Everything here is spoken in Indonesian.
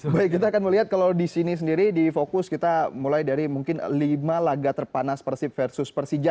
baik kita akan melihat kalau di sini sendiri di fokus kita mulai dari mungkin lima laga terpanas persib versus persija